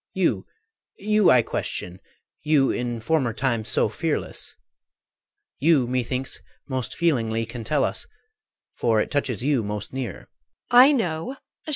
You, you I question, you in former time So fearless! You methinks most feelingly Can tell us, for it touches you most near.